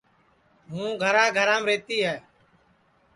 ہوں گھرا گھرام رہتی ہے